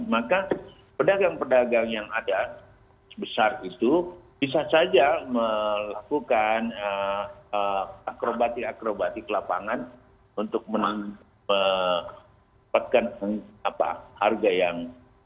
maka pedagang pedagang yang ada sebesar itu bisa saja melakukan akrobatik akrobatik lapangan untuk mendapatkan harga yang